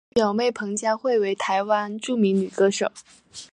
其表妹彭佳慧为台湾著名女歌手。